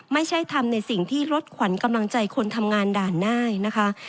ไม่ใช่ทำในสิ่งที่ลดขวัญกำลังใจคนทำงานด่านได้นะคะ